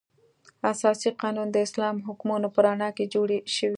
اساسي قانون د اسلام د حکمونو په رڼا کې جوړ شوی.